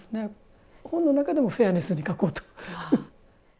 本の中でもフェアネスに書こうと。